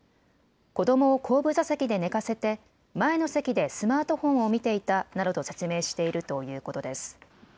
子どもを後部座席で寝かせて前の席でスマートフォンを見ていたなどと説明しているということです。